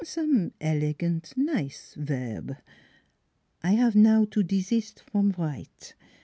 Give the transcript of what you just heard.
Some elegant nice verbe. I have now to desist from write.